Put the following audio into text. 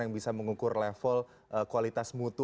yang bisa mengukur level kualitas mutu